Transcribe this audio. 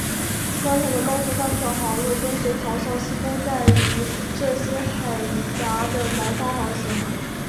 传统的高速帆船航路跟随咆哮西风带于这些海岬的南方航行。